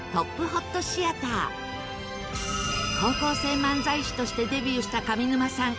高校生漫才師としてデビューした上沼さん。